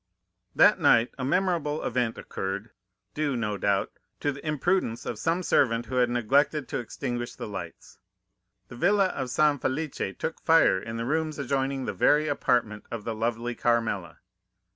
20121m "That night a memorable event occurred, due, no doubt, to the imprudence of some servant who had neglected to extinguish the lights. The Villa of San Felice took fire in the rooms adjoining the very apartment of the lovely Carmela.